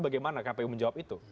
bagaimana kpu menjawab itu